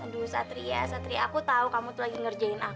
aduh satria satria aku tahu kamu tuh lagi ngerjain aku